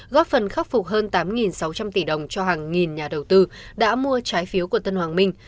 góp phần khắc phục hơn tám sáu trăm linh tỷ đồng cho hàng nghìn nhà đầu tư đã mua trái phiếu của tân hoàng minh